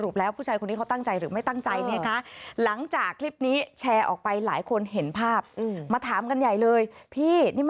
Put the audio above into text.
เป็นจังหวะกล้างกลัวนะครับ